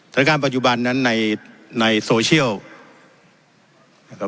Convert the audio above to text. ศักดิ์การปัจจุบันนั้นในในโซเชียล